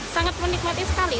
sangat menikmati sekali